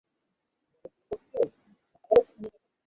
আপনি শুধু ব্যবহার করবেন।